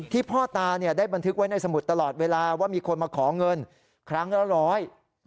พ่อตาเนี่ยได้บันทึกไว้ในสมุดตลอดเวลาว่ามีคนมาขอเงินครั้งละร้อย